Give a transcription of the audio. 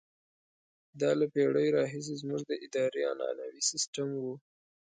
دا له پېړیو راهیسې زموږ د ادارې عنعنوي سیستم وو.